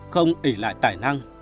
không ủi lại tài năng